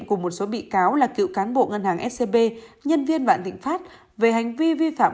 của một số bị cáo là cựu cán bộ ngân hàng scb nhân viên vạn thịnh pháp về hành vi vi phạm